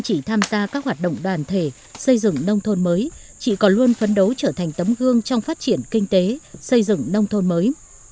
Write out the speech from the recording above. chị tham gia các hoạt động đoàn thể xây dựng nông thôn mới chị còn luôn phấn đấu trở thành tấm gương trong phát triển kinh tế xây dựng nông thôn mới